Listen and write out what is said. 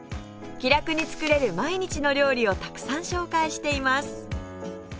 気楽に作れる毎日の料理をたくさん紹介しています